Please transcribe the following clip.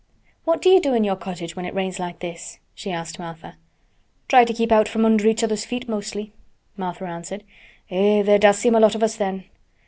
"What do you do in your cottage when it rains like this?" she asked Martha. "Try to keep from under each other's feet mostly," Martha answered. "Eh! there does seem a lot of us then.